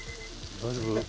大丈夫？